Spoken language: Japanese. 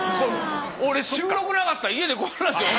俺収録なかったら家でこんなですよ。